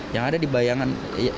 yang ada di bayangan